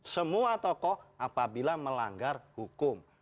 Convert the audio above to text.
semua tokoh apabila melanggar hukum